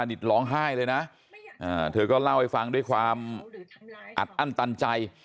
นี่ร้องไห้เลยนะเธอก็เล่าให้ฟังด้วยความอัดอั้นตันใจ